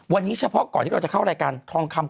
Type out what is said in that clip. วันนี้เฉพาะก่อนที่เราจะเข้ารายการทองคำ